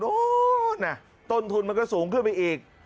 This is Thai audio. ต้นทุนมันก็สูงขึ้นไปอีก